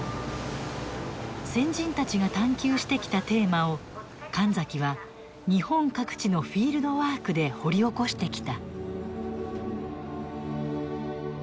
先人たちが探求してきたテーマを神崎は日本各地のフィールドワークで掘り起こしてきた。